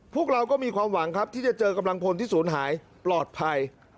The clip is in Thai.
พวกเราก็มีความหวังครับที่จะเจอกำลังพลที่ศูนย์หายปลอดภัย